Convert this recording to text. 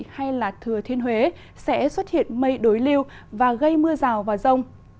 hay thừa thiên huế sẽ xuất hiện mây đối lưu và gây mưa rào và rông